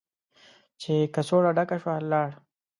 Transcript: چې کڅوړه ډکه شوه، لاړ.